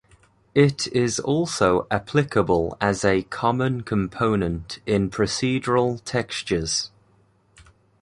It is also applicable as a common component in procedural textures.